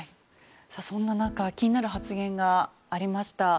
そんな中気になる発言がありました。